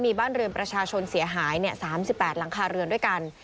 มีบ้านเรือนประชาชนเสียหาย๓๘หลังคาเรือนด้วยกัน